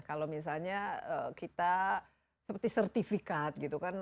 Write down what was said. kalau misalnya kita seperti sertifikat gitu kan